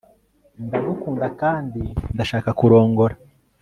ndagukunda kandi ndashaka kurongora